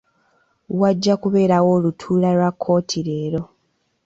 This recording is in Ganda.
Wajja kubeerawo olutuula lwa kkooti leero.